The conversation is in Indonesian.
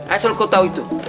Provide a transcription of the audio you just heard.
asal kau tau itu